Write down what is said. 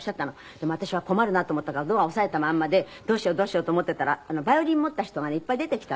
でも私は困るなあと思ったからドアを押さえたまんまでどうしようどうしようと思ってたらバイオリン持った人がいっぱい出てきたの。